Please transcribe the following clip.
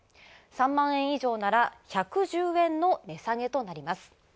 ３万円以上なら１１０円の値下げとなります。